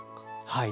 はい。